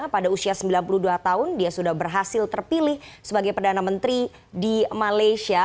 pada usia sembilan puluh dua tahun dia sudah berhasil terpilih sebagai perdana menteri di malaysia